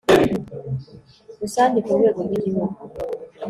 rusange ku rwego rw Igihugu